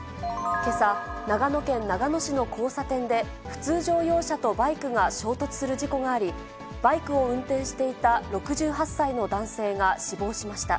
けさ、長野県長野市の交差点で、普通乗用車とバイクが衝突する事故があり、バイクを運転していた６８歳の男性が死亡しました。